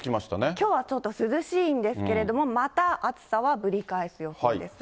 きょうはちょっと涼しいんですけれども、また暑さはぶり返す予報です。